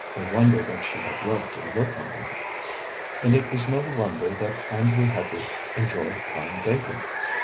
No wonder that she had loved to look on them! And it was no wonder that Andrew Hedger enjoyed prime bacon.